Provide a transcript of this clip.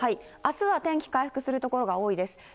あすは天気回復する所が多いです。